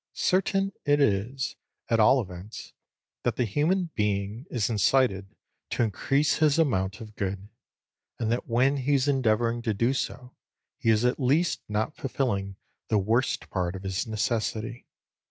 Certain it is, at all events, that the human being is incited to increase his amount of good: and that when he is endeavouring to do so, he is at least not fulfilling the worst part of his necessity.